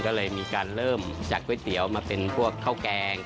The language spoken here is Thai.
ก็เลยมีการเริ่มจากก๋วยเตี๋ยวมาเป็นพวกข้าวแกง